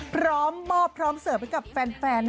พร้อมบอบพร้อมเสิร์ฟให้กับแฟนนั่นเอง